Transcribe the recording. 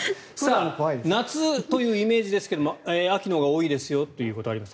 夏というイメージですが秋のほうが多いですよということがあります。